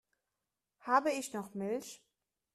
Habe ich noch Milch?